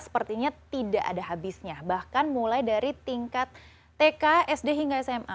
sepertinya tidak ada habisnya bahkan mulai dari tingkat tk sd hingga sma